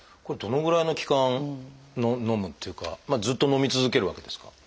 これどのぐらいの期間のむというかずっとのみ続けるわけですか？